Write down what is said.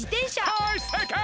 はいせいかい！